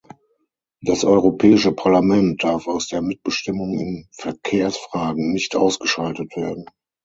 Das Europäische Parlament darf aus der Mitbestimmung in Verkehrsfragen nicht ausgeschaltet werden.